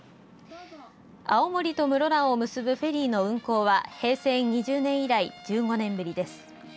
青森と室蘭を結ぶフェリーの運航は平成２０年以来１５年ぶりです。